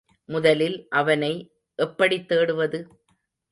முதலில் அவனை எப்படித் தேடுவது?